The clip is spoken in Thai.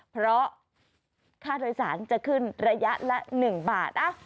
เพราะค่าโดยสารจะขึ้นระยะละ๑บาท